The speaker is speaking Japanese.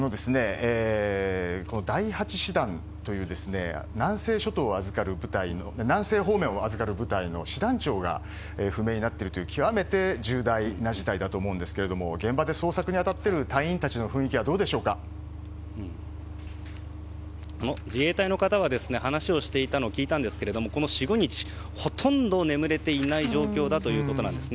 第８師団という南西方面を預かる部隊の師団長が不明になっているという極めて重大な事態だと思うんですが現場で捜索に当たっている隊員たちの雰囲気は自衛隊の方が話をしていたのを聞いたんですがこの４５日ほとんど眠れていない状況だということです。